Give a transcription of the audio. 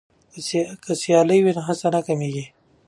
که سیالي وي نو هڅه نه کمېږي.